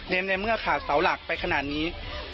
ในเมื่อขาดเสาหลักไปขนาดนี้